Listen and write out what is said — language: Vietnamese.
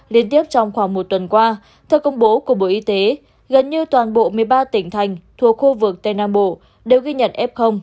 liên tiếp trong khoảng một tuần qua theo công bố của bộ y tế gần như toàn bộ một mươi ba tỉnh thành thuộc khu vực tây nam bộ đều ghi nhận f